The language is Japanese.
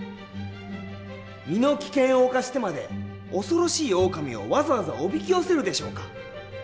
身の危険を冒してまで恐ろしいオオカミをわざわざおびき寄せるでしょうか？